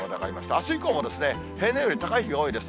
あす以降も平年より高い日が多いです。